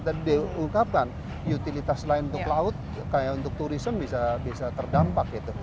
tadi diungkapkan utilitas lain untuk laut kayak untuk turisme bisa terdampak gitu